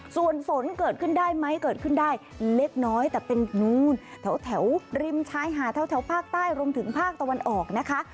ส่วนฝนเกิดขึ้นได้ไหมเกิดขึ้นได้เล็กน้อยแต่เป็นนู้นแถวริมชายหาดแถวภาคใต้รวมถึงภาคตะวันออกนะคะ